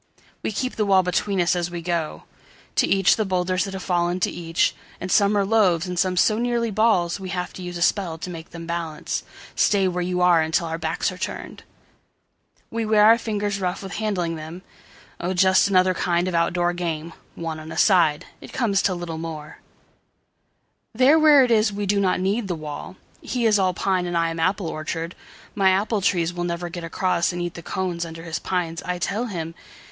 We keep the wall between us as we go. To each the boulders that have fallen to each. And some are loaves and some so nearly ballsWe have to use a spell to make them balance:"Stay where you are until our backs are turned!"We wear our fingers rough with handling them. Oh, just another kind of out door game, One on a side. It comes to little more:There where it is we do not need the wall:He is all pine and I am apple orchard.My apple trees will never get acrossAnd eat the cones under his pines, I tell him.